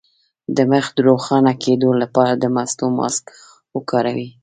د مخ د روښانه کیدو لپاره د مستو ماسک وکاروئ